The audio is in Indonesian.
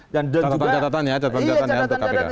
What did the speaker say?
dan juga catatan catatan